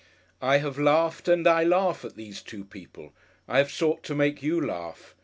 I have laughed, and I laugh at these two people; I have sought to make you laugh....